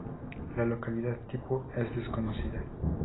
La localidad tipo es desconocida.